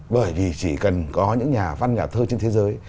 bởi vì chỉ cần có những nhà văn nhà thơ trên thế giới